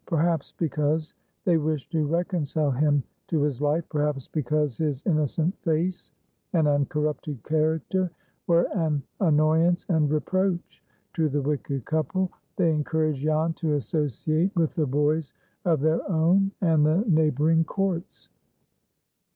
Perhaps because they wished to reconcile him to his life, perhaps because his innocent face and uncorrupted character were an annoyance and reproach to the wicked couple, they encouraged Jan to associate with the boys of their own and the neighboring courts.